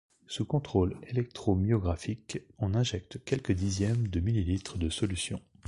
Sous contrôle électromyographique, on injecte quelques dixième de ml de solution.